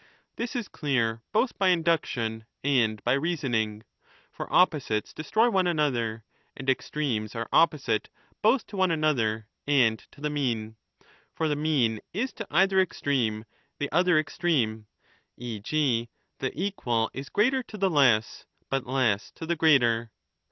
This is clear both by induction and by reasoning. 30 For opposites destroy one another, and extremes are opposite both to one another and to the mean ; for^the mean is to either extreme the other extremeVe ^g . the equal is greater to the less, but less to the greater.